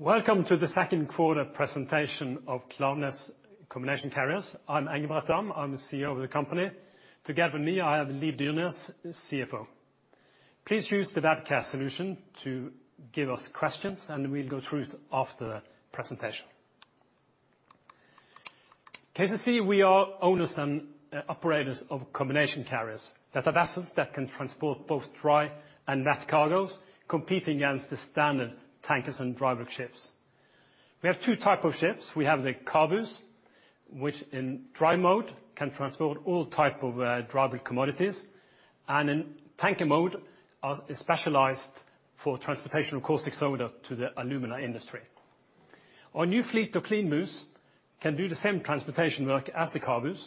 Welcome to the Second Quarter Presentation of Klaveness Combination Carriers. I'm Engebret Dahm. I'm th`e CEO of the company. Together with me, I have Liv Dyrnes, the CFO. Please use the webcast solution to give us questions and we'll go through it after the presentation. KCC, we are owners and operators of combination carriers that have assets that can transport both dry and wet cargos, competing against the standard tankers and dry bulk ships. We have two type of ships. We have the CABUs, which in dry mode can transport all type of dry bulk commodities, and in tanker mode, are specialized for transportation of caustic soda to the alumina industry. Our new fleet of CLEANBUs can do the same transportation work as the CABUs,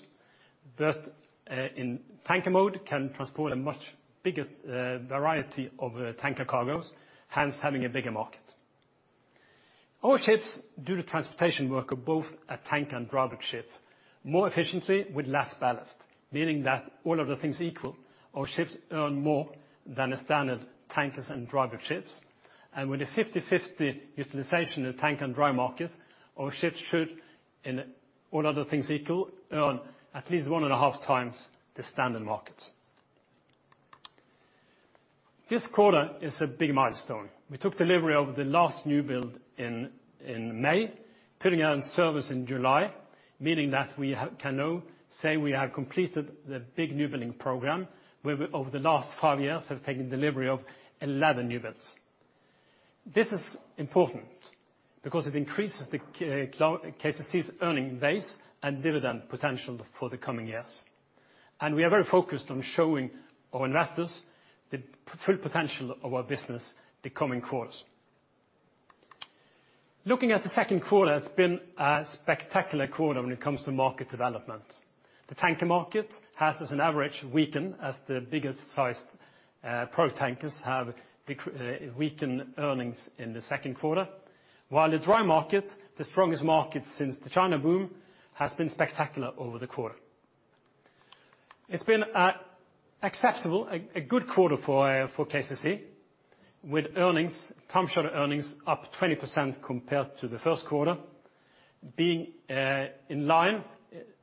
but in tanker mode can transport a much bigger variety of tanker cargos, hence having a bigger market. Our ships do the transportation work of both a tanker and dry bulk ship more efficiently with less ballast, meaning that all other things equal, our ships earn more than the standard tankers and dry bulk ships. With a 50/50 utilization in the tanker and dry markets, our ships should, in all other things equal, earn at least 1.5 times the standard markets. This quarter is a big milestone. We took delivery of the last new build in May, putting it in service in July, meaning that we can now say we have completed the big newbuilding program, where over the last five years have taken delivery of 11 newbuilds. This is important because it increases the KCC's earning base and dividend potential for the coming years, and we are very focused on showing our investors the full potential of our business the coming quarters. Looking at the second quarter, it's been a spectacular quarter when it comes to market development. The tanker market has as an average weakened as the biggest sized product tankers have weakened earnings in the second quarter. The dry market, the strongest market since the China boom, has been spectacular over the quarter. It's been acceptable, a good quarter for KCC, with earnings, time charter earnings, up 20% compared to the first quarter, being in line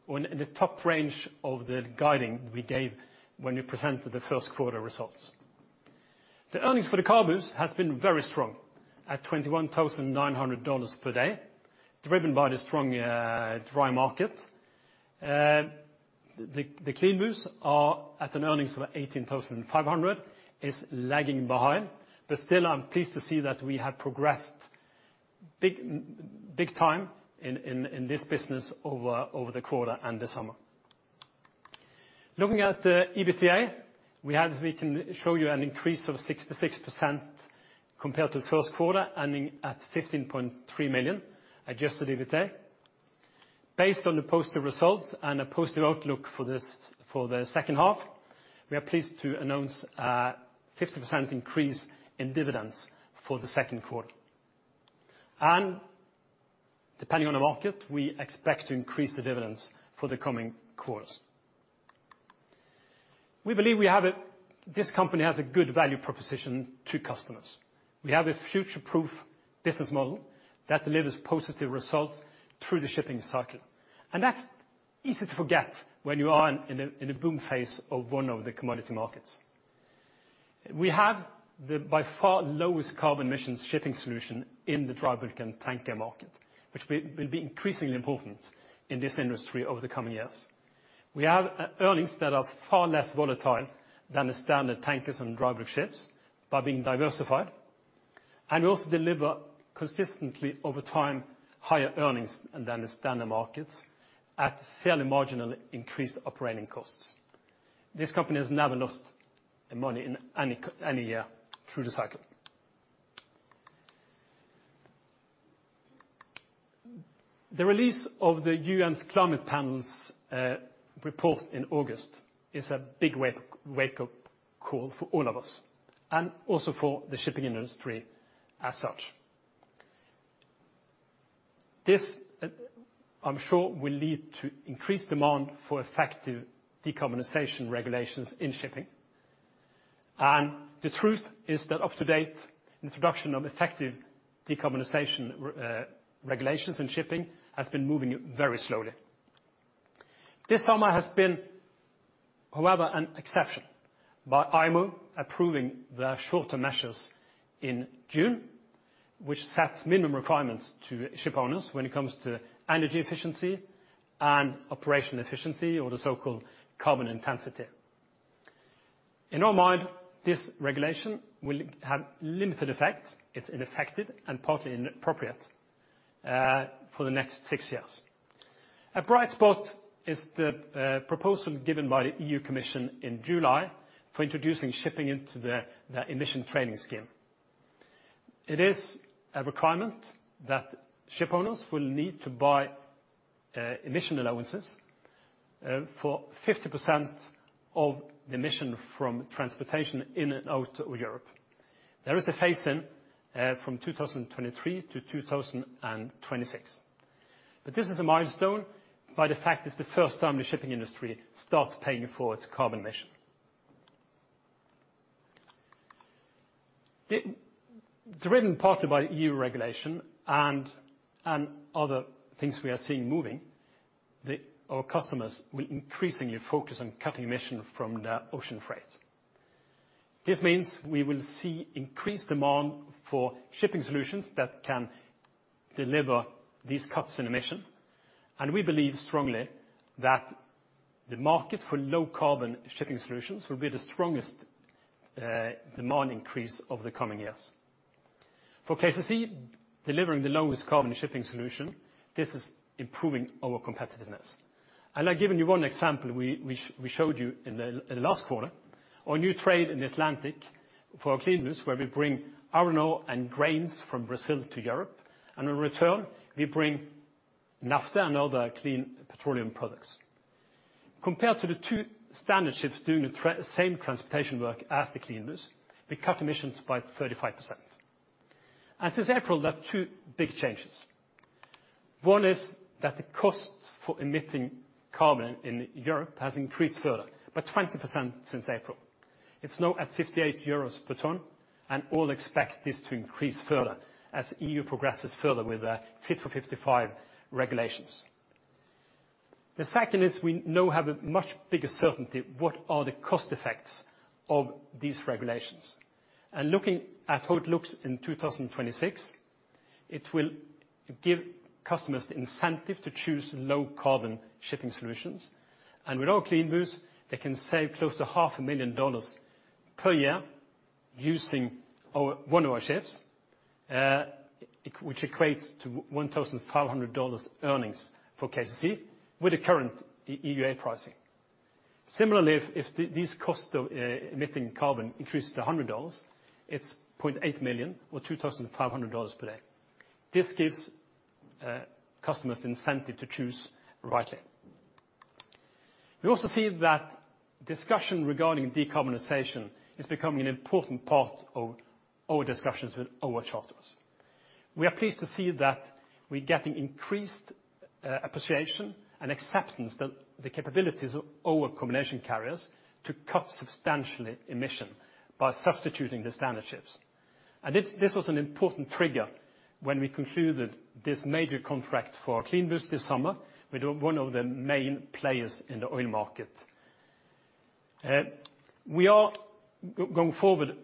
in the top range of the guiding we gave when we presented the first quarter results. The earnings for the CABUs has been very strong at $21,900 per day, driven by the strong dry market. The CLEANBUs are at an earnings of $18,500, is lagging behind. Still, I'm pleased to see that we have progressed big time in this business over the quarter and the summer. Looking at the EBITDA, we can show you an increase of 66% compared to the first quarter, ending at $15.3 million adjusted EBITDA. Based on the posted results and a positive outlook for the second half, we are pleased to announce a 50% increase in dividends for the second quarter. Depending on the market, we expect to increase the dividends for the coming quarters. We believe this company has a good value proposition to customers. We have a future-proof business model that delivers positive results through the shipping cycle, and that's easy to forget when you are in a boom phase of one of the commodity markets. We have the by far lowest carbon emissions shipping solution in the dry bulk and tanker market, which will be increasingly important in this industry over the coming years. We have earnings that are far less volatile than the standard tankers and dry bulk ships by being diversified, and we also deliver consistently over time higher earnings than the standard markets at fairly marginally increased operating costs. This company has never lost money in any year through the cycle. The release of the UN's climate panel's report in August is a big wake-up call for all of us, and also for the shipping industry as such. This, I'm sure, will lead to increased demand for effective decarbonization regulations in shipping. The truth is that up to date, introduction of effective decarbonization regulations in shipping has been moving very slowly. This summer has been, however, an exception, by IMO approving the short-term measures in June, which sets minimum requirements to ship owners when it comes to energy efficiency and operational efficiency or the so-called carbon intensity. In our mind, this regulation will have limited effect. It's ineffective and partly inappropriate for the next six years. A bright spot is the proposal given by the EU Commission in July for introducing shipping into the Emissions Trading System. It is a requirement that ship owners will need to buy emission allowances for 50% of the emission from transportation in and out of Europe. There is a phase-in from 2023 to 2026. This is a milestone by the fact it's the first time the shipping industry starts paying for its carbon emission. Driven partly by EU regulation and other things we are seeing moving, our customers will increasingly focus on cutting emission from their ocean freight. This means we will see increased demand for shipping solutions that can deliver these cuts in emission. We believe strongly that the market for low carbon shipping solutions will be the strongest demand increase over the coming years. For KCC, delivering the lowest carbon shipping solution, this is improving our competitiveness. I've given you one example we showed you in the last quarter. Our new trade in Atlantic for our CLEANBU, where we bring iron ore and grains from Brazil to Europe, and in return, we bring naphtha and other clean petroleum products. Compared to the two standard ships doing the same transportation work as the CLEANBU, we cut emissions by 35%. Since April there are two big changes. One is that the cost for emitting carbon in Europe has increased further, by 20% since April. It's now at €58 per ton and all expect this to increase further as EU progresses further with the Fit for 55 regulations. The second is we now have a much bigger certainty what are the cost effects of these regulations. Looking at how it looks in 2026, it will give customers the incentive to choose low carbon shipping solutions. With our CLEANBUs, they can save close to half a million dollars per year using one of our ships, which equates to $1,500 earnings for KCC with the current EUA pricing. Similarly, if these costs of emitting carbon increases to $100, it's $0.8 million or $2,500 per day. This gives customers the incentive to choose rightly. We also see that discussion regarding decarbonization is becoming an important part of our discussions with our charters. We are pleased to see that we're getting increased appreciation and acceptance that the capabilities of our Combination Carriers to cut substantially emission by substituting the standard ships. This was an important trigger when we concluded this major contract for our CLEANBUs this summer with one of the main players in the oil market. We are, going forward,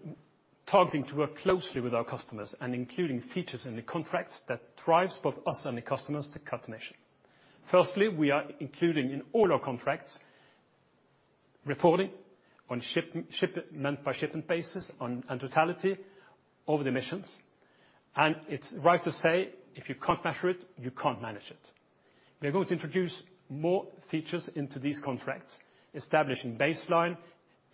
targeting to work closely with our customers and including features in the contracts that drives both us and the customers to cut emission. Firstly, we are including in all our contracts, reporting on month by shipment basis and totality of the emissions. It's right to say, if you can't measure it, you can't manage it. We are going to introduce more features into these contracts, establishing baseline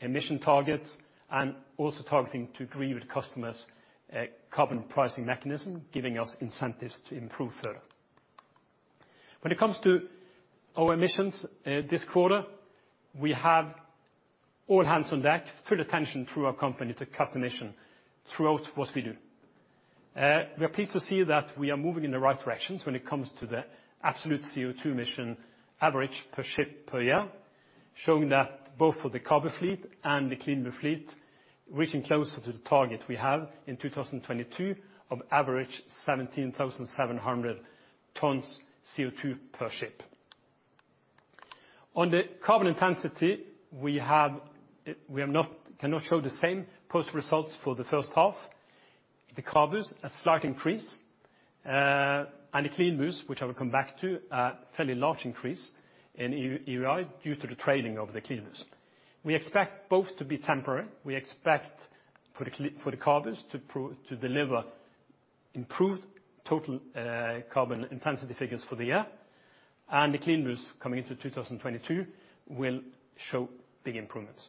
emission targets, and also targeting to agree with customers a carbon pricing mechanism, giving us incentives to improve further. When it comes to our emissions this quarter, we have all hands on deck, full attention through our company to cut emission throughout what we do. We are pleased to see that we are moving in the right directions when it comes to the absolute CO2 emission average per ship per year, showing that both for the CABU fleet and the CLEANBU fleet, reaching closer to the target we have in 2022, of average 17,700 tons CO2 per ship. On the carbon intensity, we cannot show the same post results for the first half. The CABUs, a slight increase, and the CLEANBU, which I will come back to, a fairly large increase in EEOI due to the trading of the CLEANBU. We expect both to be temporary. We expect for the CABUs to deliver improved total carbon intensity figures for the year, and the CLEANBU coming into 2022 will show big improvements.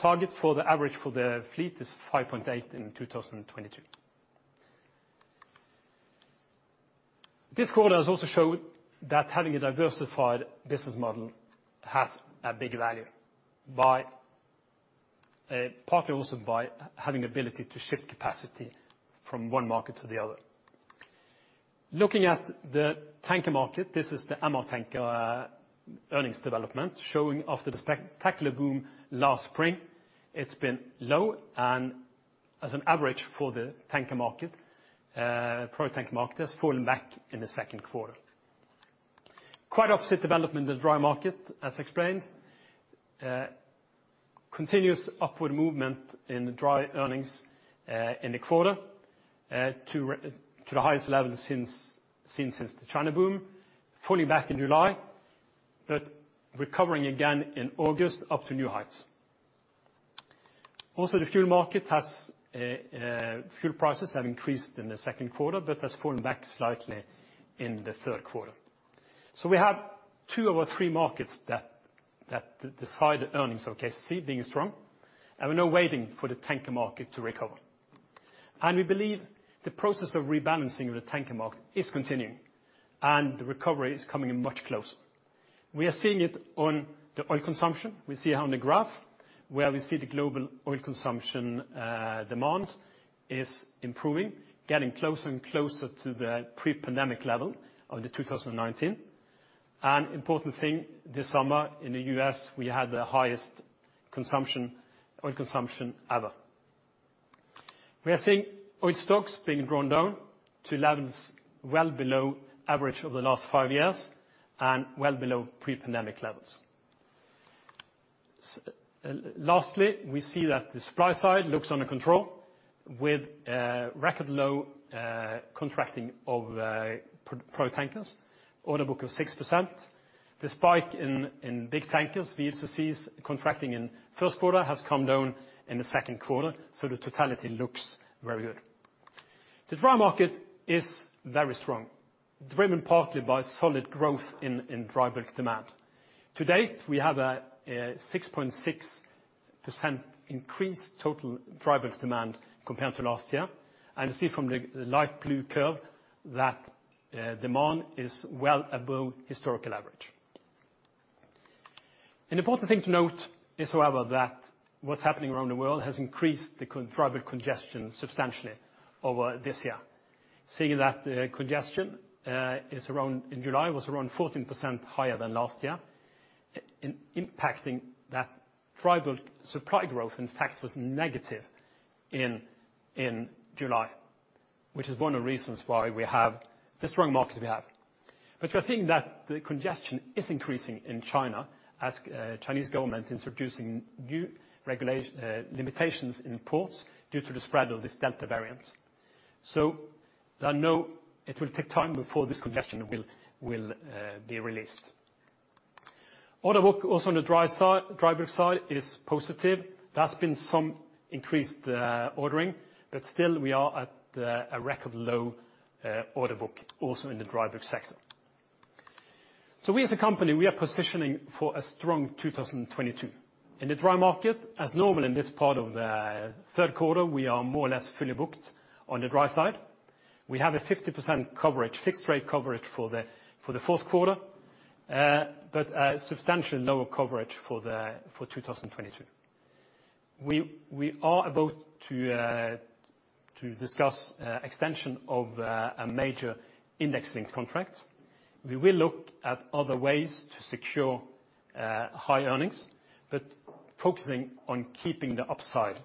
Target for the average for the fleet is 5.8 in 2022. This quarter has also showed that having a diversified business model has a big value, partly also by having ability to shift capacity from one market to the other. Looking at the MR tanker market, this is the MR tanker earnings development showing after the spectacular boom last spring. It's been low and as an average for the product tanker market has fallen back in the second quarter. Quite opposite development in the dry market, as explained, continuous upward movement in the dry earnings in the quarter to the highest level seen since the China boom, falling back in July, but recovering again in August up to new heights. Also, the fuel prices have increased in the second quarter but has fallen back slightly in the third quarter. We have two of our three markets that decide the earnings of KCC being strong, we're now waiting for the tanker market to recover. We believe the process of rebalancing the tanker market is continuing, the recovery is coming in much closer. We are seeing it on the oil consumption. We see it on the graph, where we see the global oil consumption demand is improving, getting closer and closer to the pre-pandemic level of the 2019. Important thing this summer in the U.S., we had the highest oil consumption ever. We are seeing oil stocks being drawn down to levels well below average over the last five years, well below pre-pandemic levels. Lastly, we see that the supply side looks under control with record low contracting of product tankers. Order book of 6%. The spike in big tankers, VLCCs contracting in first quarter has come down in the second quarter, so the totality looks very good. The dry market is very strong, driven partly by solid growth in dry bulk demand. To date, we have a 6.6% increased total dry bulk demand compared to last year, and you see from the light blue curve that demand is well above historical average. An important thing to note is, however, that what's happening around the world has increased the dry bulk congestion substantially over this year. Seeing that congestion in July was around 14% higher than last year, impacting that dry bulk supply growth, in fact, was negative in July, which is one of the reasons why we have the strong markets we have. We are seeing that the congestion is increasing in China as Chinese government is introducing new limitations in ports due to the spread of this Delta variant. I know it will take time before this congestion will be released. Order book also on the dry bulk side is positive. There has been some increased ordering, but still we are at a record low order book also in the dry bulk sector. We as a company, we are positioning for a strong 2022. In the dry market, as normal in this part of the third quarter, we are more or less fully booked on the dry side. We have a 50% fixed rate coverage for the fourth quarter, but a substantially lower coverage for 2022. We are about to discuss extension of a major index-linked contract. We will look at other ways to secure high earnings, but focusing on keeping the upside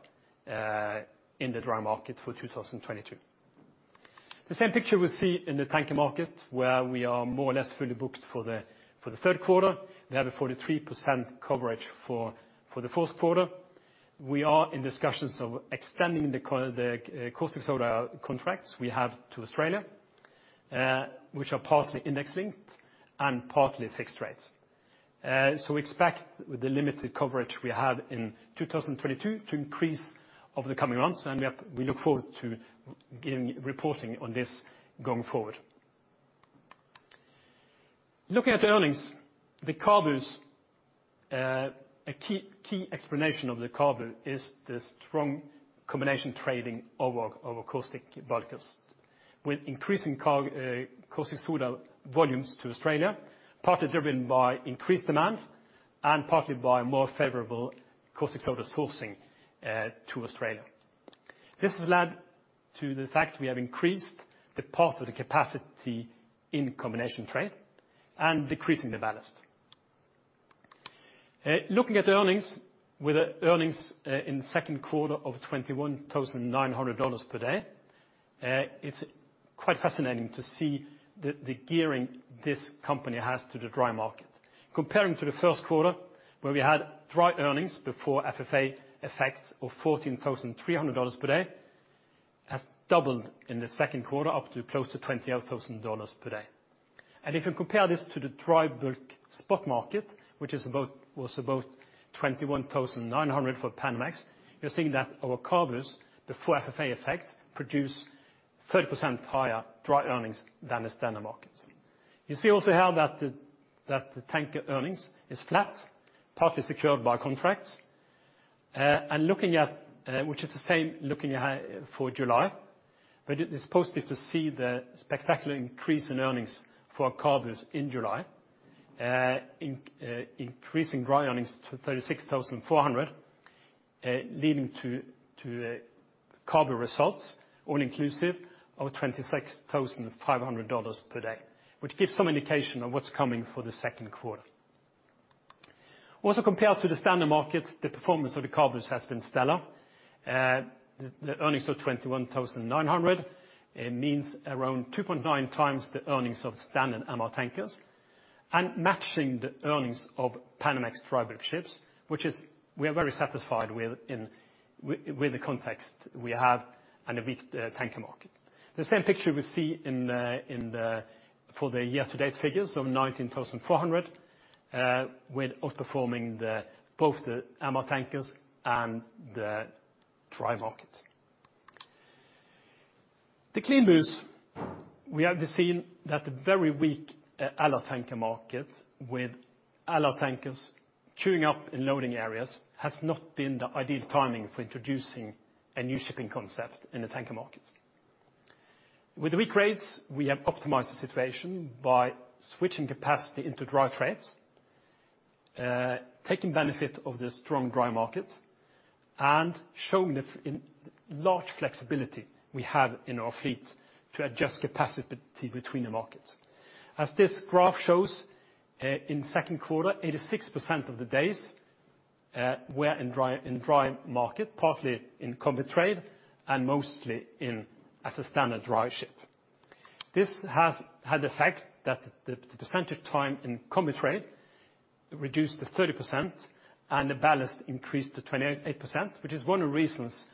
in the dry market for 2022. The same picture we see in the tanker market where we are more or less fully booked for the third quarter. We have a 43% coverage for the fourth quarter. We are in discussions of extending the caustic soda contracts we have to Australia, which are partly index-linked and partly fixed rates. We expect with the limited coverage we have in 2022 to increase over the coming months. We look forward to reporting on this going forward. Looking at the earnings, the CABUs, a key explanation of the CABU is the strong combination trading of our caustic bulkers. With increasing caustic soda volumes to Australia, partly driven by increased demand and partly by more favorable caustic soda sourcing to Australia. This has led to the fact we have increased the path of the capacity in combination trade and decreasing the ballast. Looking at earnings, with the earnings in the second quarter of $21,900 per day, it's quite fascinating to see the gearing this company has to the dry market. Comparing to the first quarter where we had dry earnings before FFA effects of $14,300 per day, has doubled in the second quarter up to close to $28,000 per day. If you compare this to the dry bulk spot market, which was about $21,900 for Panamax, you're seeing that our CABUs before FFA effect produce 30% higher dry earnings than the standard markets. You see also how that the tanker earnings is flat, partly secured by contracts. Which is the same looking at for July, but it is positive to see the spectacular increase in earnings for our CABUs in July. Increasing dry earnings to 36,400, leading to CABU results all inclusive of 26,500 dollars per day, which gives some indication of what's coming for the second quarter. Also compared to the standard markets, the performance of the CABUs has been stellar. The earnings of 21,900, it means around 2.9x the earnings of standard MR tankers, and matching the earnings of Panamax dry bulk ships, which we are very satisfied with the context we have in a weak tanker market. The same picture we see for the year to date figures of 19,400, with outperforming both the MR tankers and the dry market. The CLEANBUs, we have seen that the very weak LR tanker market with LR tankers queuing up in loading areas has not been the ideal timing for introducing a new shipping concept in the tanker market. With the weak rates, we have optimized the situation by switching capacity into dry trades, taking benefit of the strong dry market and showing the large flexibility we have in our fleet to adjust capacity between the markets. As this graph shows, in the second quarter, 86% of the days were in dry market, partly in combitrade and mostly as a standard dry ship. This has had the effect that the percentage of time in combitrade reduced to 30% and the ballast increased to 28%, which is one of the reasons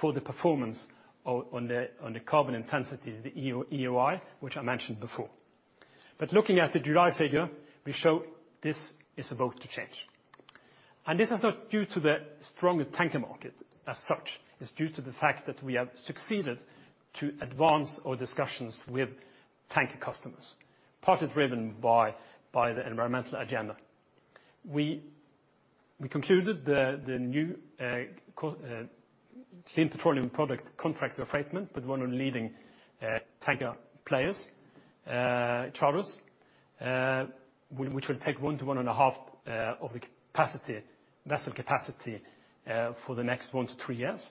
for the performance on the carbon intensity, the EEOI, which I mentioned before. Looking at the July figure, we show this is about to change. This is not due to the stronger tanker market as such, it's due to the fact that we have succeeded to advance our discussions with tanker customers, partly driven by the environmental agenda. We concluded the new clean petroleum product Contract of Affreightment with one of the leading tanker players, charterers which will take one to 1.5 of the vessel capacity for the next one to three years.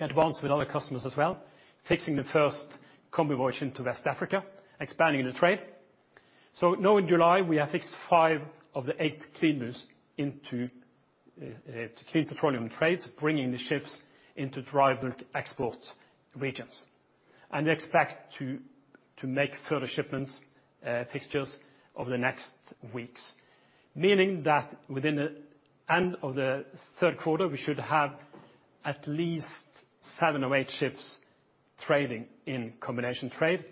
Advance with other customers as well, fixing the first combi voyage to West Africa, expanding the trade. Now in July, we have fixed five of the eight CLEANBUs into clean petroleum trades, bringing the ships into dry bulk export regions. We expect to make further shipments fixtures over the next weeks. Meaning that within the end of the third quarter, we should have at least seven or eight ships trading in combination trade,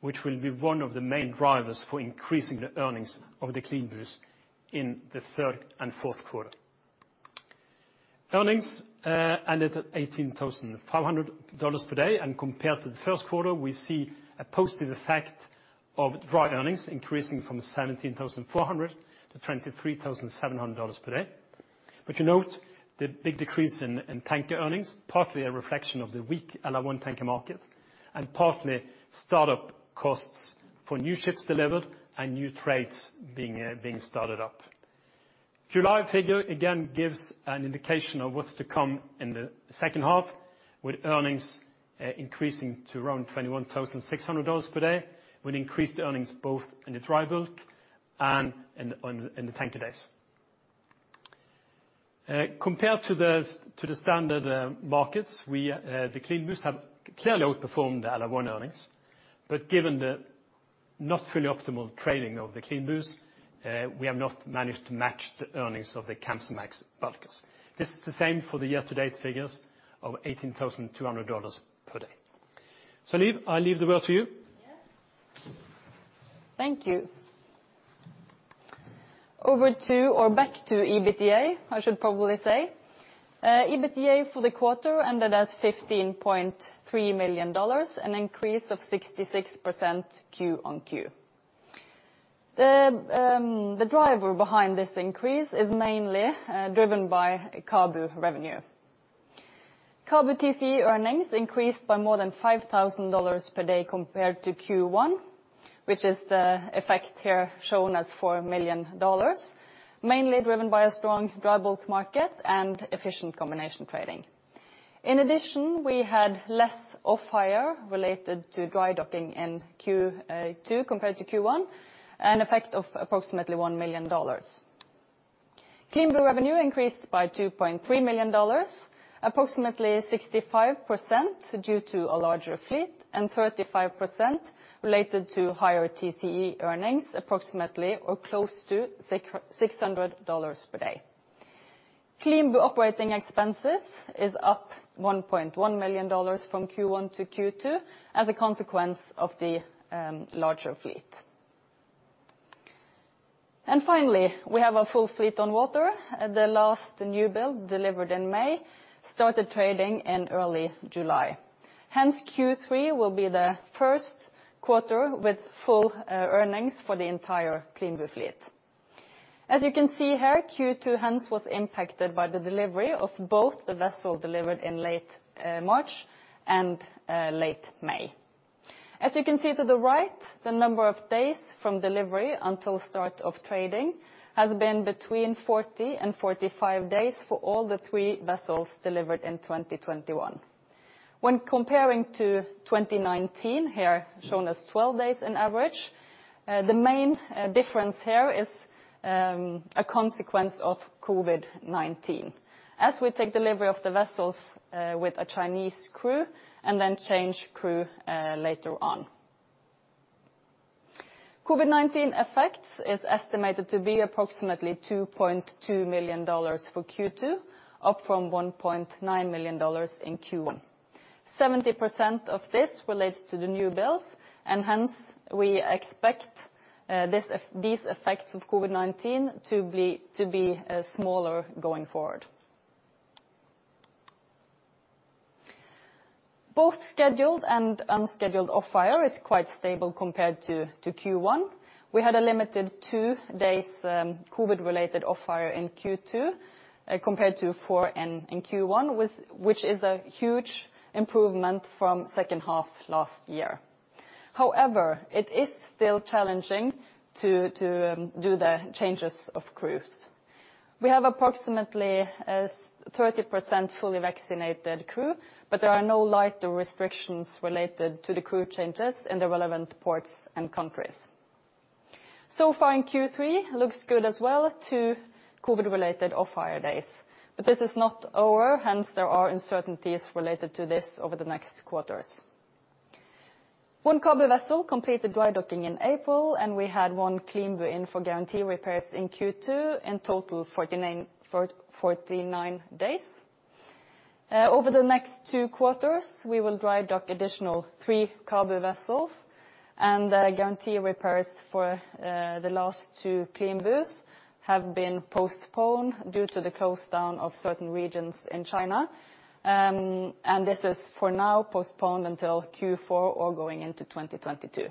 which will be one of the main drivers for increasing the earnings of the CLEANBUs in the third and fourth quarter. Earnings ended at $18,500 per day. Compared to the first quarter, we see a positive effect of dry earnings increasing from $17,400 to $23,700 per day. You note the big decrease in tanker earnings, partly a reflection of the weak LR1 tanker market, and partly startup costs for new ships delivered and new trades being started up. July figure again gives an indication of what's to come in the second half, with earnings increasing to around $21,600 per day. We increased the earnings both in the dry bulk and in the tanker days. Compared to the standard markets, the CLEANBUs have clearly outperformed the LR1 earnings. Given the not fully optimal trading of the CLEANBUs, we have not managed to match the earnings of the Kamsarmax bulkers. This is the same for the year-to-date figures of $18,200 per day. Liv, I leave the word to you. Yes. Thank you. Over to or back to EBITDA, I should probably say. EBITDA for the quarter ended at $15.3 million, an increase of 66% Q-on-Q. The driver behind this increase is mainly driven by CABU revenue. CABU TCE earnings increased by more than $5,000 per day compared to Q1, which is the effect here shown as $4 million, mainly driven by a strong dry bulk market and efficient combination trading. In addition, we had less off-hire related to dry docking in Q2 compared to Q1, an effect of approximately $1 million. CLEANBU revenue increased by $2.3 million, approximately 65% due to a larger fleet and 35% related to higher TCE earnings, approximately or close to $600 per day. CLEANBU operating expenses is up $1.1 million from Q1 to Q2 as a consequence of the larger fleet. Finally, we have a full fleet on water. The last new build delivered in May started trading in early July. Q3 will be the first quarter with full earnings for the entire CLEANBU fleet. As you can see here, Q2 hence was impacted by the delivery of both the vessel delivered in late March and late May. As you can see to the right, the number of days from delivery until start of trading has been between 40 and 45 days for all the three vessels delivered in 2021. When comparing to 2019, here shown as 12 days on average, the main difference here is a consequence of COVID-19, as we take delivery of the vessels with a Chinese crew and then change crew later on. COVID-19 effects is estimated to be approximately $2.2 million for Q2, up from $1.9 million in Q1. 70% of this relates to the new builds. Hence, we expect these effects of COVID-19 to be smaller going forward. Both scheduled and unscheduled off-hire is quite stable compared to Q1. We had a limited two days COVID-related off-hire in Q2 compared to four in Q1, which is a huge improvement from second half last year. However, it is still challenging to do the changes of crews. We have approximately 30% fully vaccinated crew. There are no lighter restrictions related to the crew changes in the relevant ports and countries. So far in Q3, looks good as well to COVID-related off-hire days. This is not over. Hence, there are uncertainties related to this over the next quarters. One CABU vessel completed dry-docking in April. We had one CLEANBU in for guarantee repairs in Q2, in total 49 days. Over the next two quarters, we will dry-dock additional three CABU vessels. The guarantee repairs for the last two CLEANBUs have been postponed due to the close down of certain regions in China. This is, for now, postponed until Q4 or going into 2022.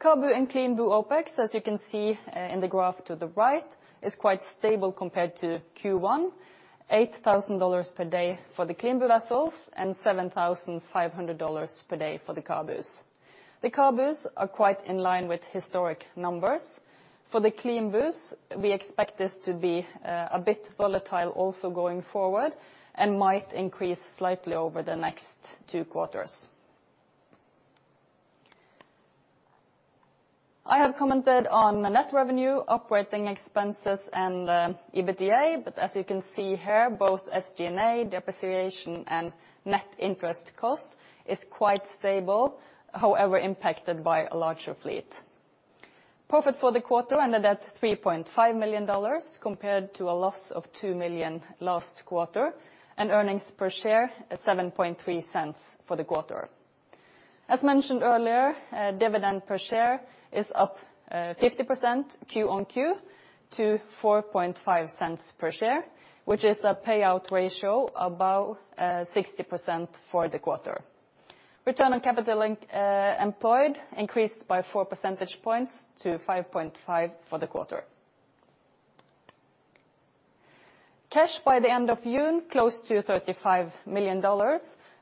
CABU and CLEANBU OPEX, as you can see in the graph to the right, is quite stable compared to Q1, $8,000 per day for the CLEANBU vessels and $7,500 per day for the CABUs. The CABUs are quite in line with historic numbers. For the CLEANBUs, we expect this to be a bit volatile also going forward, might increase slightly over the next two quarters. I have commented on the net revenue, operating expenses, and the EBITDA. As you can see here, both SG&A, depreciation, and net interest cost is quite stable, however, impacted by a larger fleet. Profit for the quarter ended at $3.5 million compared to a loss of $2 million last quarter, and earnings per share, $0.073 for the quarter. As mentioned earlier, dividend per share is up 50% Q-on-Q to $0.045 per share, which is a payout ratio above 60% for the quarter. Return on capital employed increased by 4 percentage points to 5.5% for the quarter. Cash by the end of June, close to $35 million,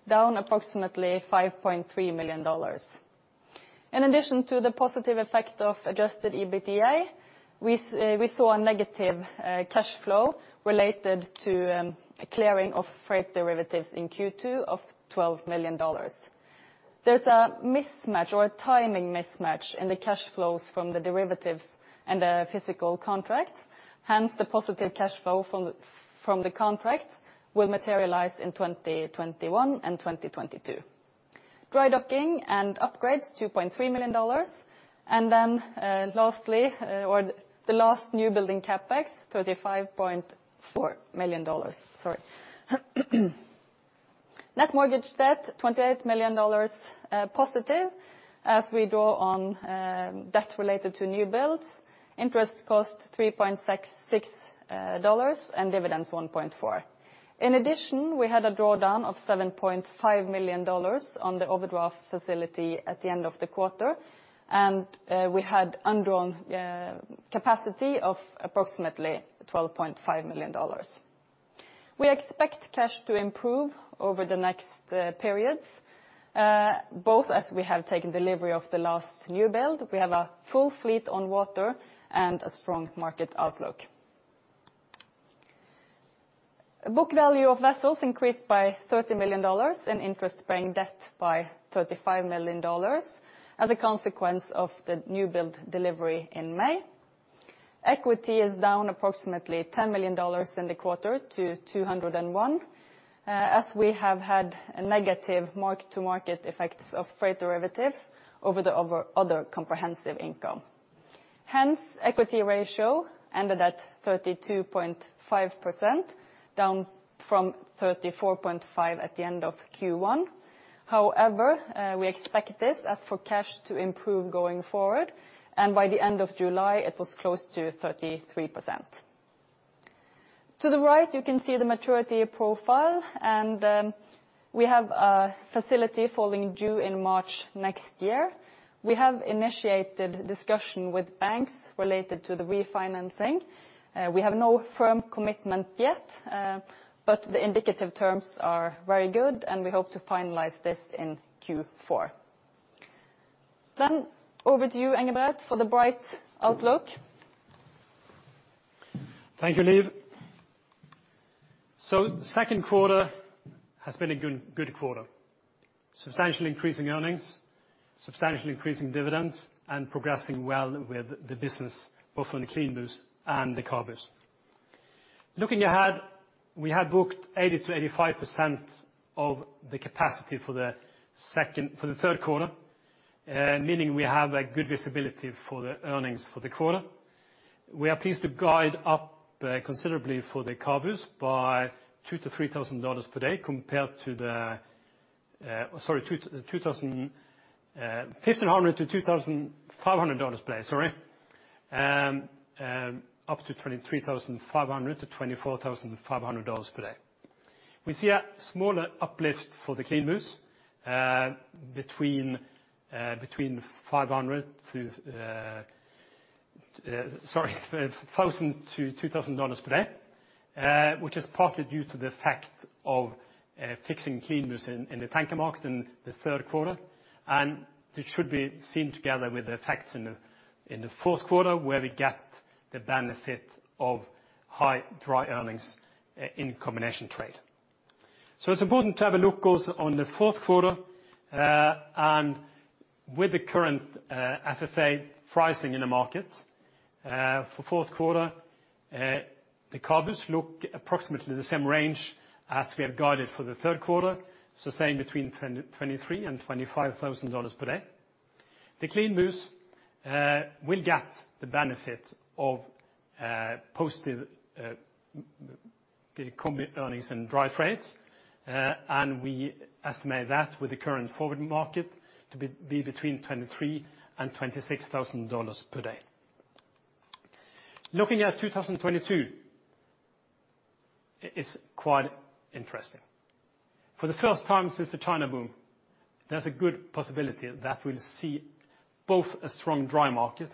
down approximately $5.3 million. In addition to the positive effect of adjusted EBITDA, we saw a negative cash flow related to clearing of freight derivatives in Q2 of $12 million. There's a mismatch or a timing mismatch in the cash flows from the derivatives and the physical contracts. Hence, the positive cash flow from the contract will materialize in 2021 and 2022. Dry-docking and upgrades, $2.3 million. The last new building CapEx, $35.4 million. Sorry. Net mortgage debt, $28 million positive as we draw on debt related to new builds. Interest cost, $3.66, and dividends, $1.4. In addition, we had a drawdown of $7.5 million on the overdraft facility at the end of the quarter, and we had undrawn capacity of approximately $12.5 million. We expect cash to improve over the next periods, both as we have taken delivery of the last new build, we have a full fleet on water, and a strong market outlook. Book value of vessels increased by $30 million, and interest-bearing debt by $35 million as a consequence of the new build delivery in May. Equity is down approximately $10 million in the quarter to $201 million, as we have had a negative mark-to-market effects of freight derivatives over the other comprehensive income. Equity ratio ended at 32.5%, down from 34.5% at the end of Q1. We expect this as for cash to improve going forward, and by the end of July, it was close to 33%. To the right, you can see the maturity profile, and we have a facility falling due in March next year. We have initiated discussion with banks related to the refinancing. We have no firm commitment yet, the indicative terms are very good, and we hope to finalize this in Q4. Over to you, Engebret, for the bright outlook. Thank you, Liv. Second quarter has been a good quarter. Substantially increasing earnings, substantially increasing dividends, and progressing well with the business, both on the CLEANBUs and the CABUs. Looking ahead, we have booked 80%-85% of the capacity for the third quarter, meaning we have a good visibility for the earnings for the quarter. We are pleased to guide up considerably for the CABUs by $1,500-$2,500 per day, up to $23,500-$24,500 per day. We see a smaller uplift for the CLEANBUs, between $1,000-$2,000 per day, which is partly due to the effect of fixing CLEANBUs in the tanker market in the third quarter. It should be seen together with the effects in the fourth quarter, where we get the benefit of high dry earnings in combination trade. It's important to have a look also on the Q4 and with the current FFA pricing in the market for Q4, the CABUs look approximately the same range as we have guided for the Q3, so same between $23,000 and $25,000 per day. The CLEANBUs will get the benefit of posted the combi earnings and dry trades. We estimate that with the current forward market to be between $23,000 and $26,000 per day. Looking at 2022 is quite interesting. For the first time since the China boom, there's a good possibility that we'll see both a strong dry market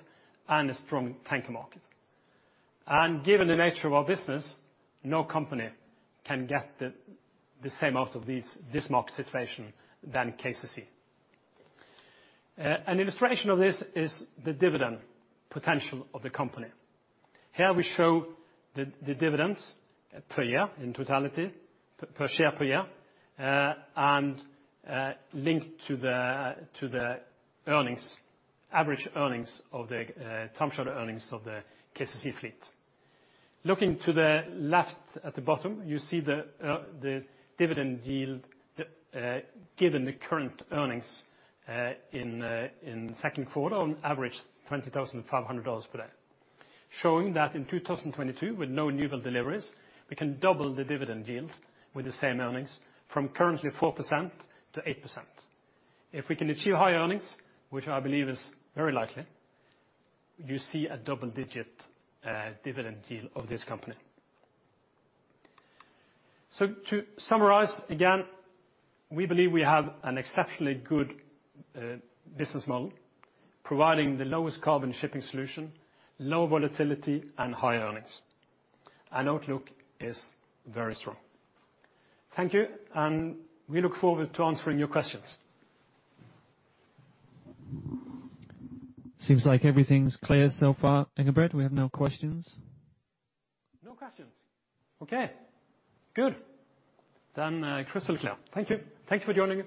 and a strong tanker market. Given the nature of our business, no company can get the same out of this market situation than KCC. An illustration of this is the dividend potential of the company. Here we show the dividends per year in totality, per share per year, and linked to the average term sheet earnings of the KCC fleet. Looking to the left at the bottom, you see the dividend yield given the current earnings in second quarter on average $20,500 per day. Showing that in 2022 with no newbuild deliveries, we can double the dividend yield with the same earnings from currently 4% to 8%. If we can achieve high earnings, which I believe is very likely, you see a double-digit dividend yield of this company. To summarize, again, we believe we have an exceptionally good business model providing the lowest carbon shipping solution, low volatility, and high earnings. Outlook is very strong. Thank you, and we look forward to answering your questions. Seems like everything's clear so far, Engebret. We have no questions. No questions? Okay, good. Crystal clear. Thank you. Thank you for joining.